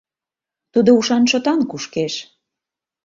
Тудо ушан-шотан кушкеш.